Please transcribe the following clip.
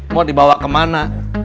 mau dibawa kemana